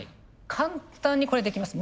簡単にこれできます。